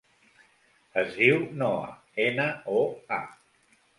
Es diu Noa: ena, o, a.